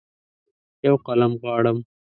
یوقلم غواړم